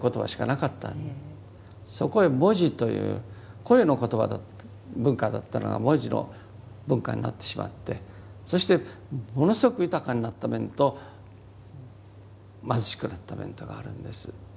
そこへ文字という声の言葉だった文化だったのが文字の文化になってしまってそしてものすごく豊かになった面と貧しくなった面とがあるんです。